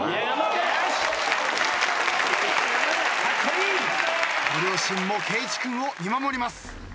ご両親も慶一君を見守ります。